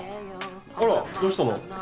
あらどうしたの？